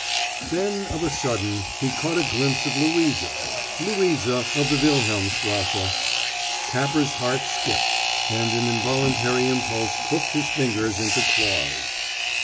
Then, of a sudden, he caught a glimpse of Louisa Louisa of the Wilhelmstrasse. Capper's heart skipped, and an involuntary impulse crooked his fingers into claws.